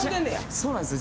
そうなんですよ。